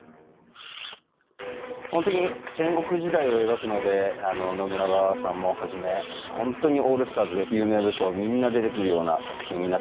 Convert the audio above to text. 本当に戦国時代を描くので信長さんもはじめ本当にオールスターズで有名武将みんな出てくるような作品になってます。